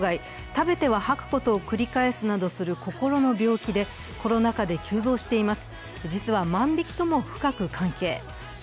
食べては吐くことを繰り返すなどする心の病気でコロナ禍で急増しています。